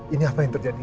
ini apa yang terjadi